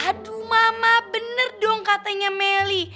aduh mama bener dong katanya melly